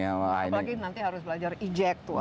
apalagi nanti harus belajar ejek tuh